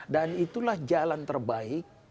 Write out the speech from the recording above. dan itulah jalan terbaik